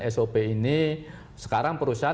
sop ini sekarang perusahaan